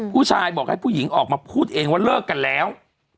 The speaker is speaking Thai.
ผู้ชายบอกให้ผู้หญิงออกมาพูดเองว่าเลิกกันแล้ว